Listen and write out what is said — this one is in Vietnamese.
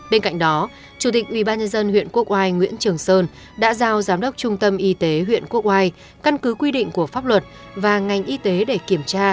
bên cạnh đó chủ tịch ubnd huyện quốc oai nguyễn trường sơn đã giao giám đốc trung tâm y tế huyện quốc oai căn cứ quy định của pháp luật và ngành y tế để kiểm tra